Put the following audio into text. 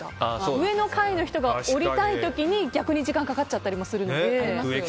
上の階の人が下りたい時に逆に時間かかっちゃったりもするので。